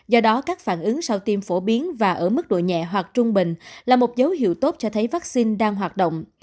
do đó các phản ứng sau tiêm phổ biến và ở mức độ nhẹ hoặc trung bình là một dấu hiệu tốt cho thấy vaccine đang hoạt động